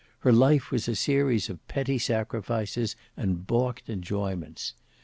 Her life was a series of petty sacrifices and baulked enjoyments.